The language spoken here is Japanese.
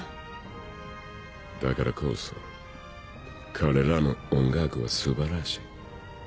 だからこそ彼らの音楽はすばらしい。